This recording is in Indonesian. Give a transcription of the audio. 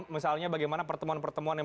misalnya bagaimana pertemuan pertemuan yang